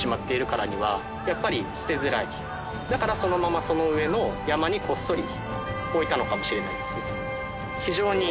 だからそのままその上の山にこっそり置いたのかもしれないですね。